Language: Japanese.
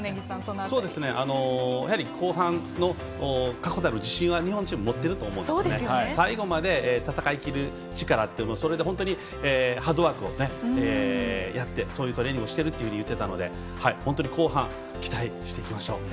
やはり後半の確固たる自信は日本チーム、持ってると思うので最後まで戦いきる力というのが本当にハードワークをやってそういうトレーニングをしてると言ってたので本当に後半期待していきましょう。